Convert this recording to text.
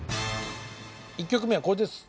１曲目はこれです。